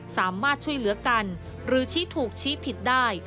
สามารถช่วยเหลือกันหรือชี้ถูกชี้ผิดได้